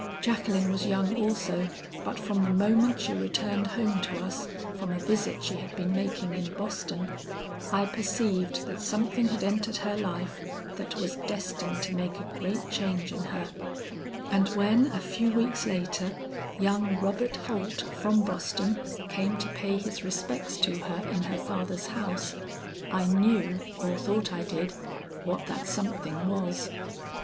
Jacqueline was young also, but from the moment she returned home to us from a visit she had been making in Boston, I perceived that something had entered her life that was destined to make a great change in her; and when a few weeks later, young Robert Holt from Boston, came to pay his respects to her in her father's house, I knew, or thought I did, what that something was.